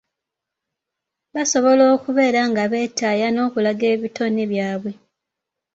Basobola okubeera nga beetaaya n’okulaga ebitone byabwe.